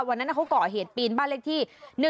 วันนั้นเขาก่อเหตุปีนบ้านเลขที่๑๑